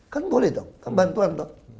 kan boleh dong kan bantuan